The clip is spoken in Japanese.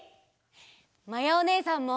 まやおねえさんも。